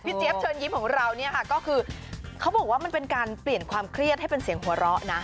เจี๊ยบเชิญยิ้มของเราเนี่ยค่ะก็คือเขาบอกว่ามันเป็นการเปลี่ยนความเครียดให้เป็นเสียงหัวเราะนะ